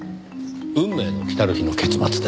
『運命の来たる日』の結末ですよ。